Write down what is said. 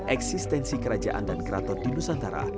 eksistensi kerajaan dan keraton di nusantara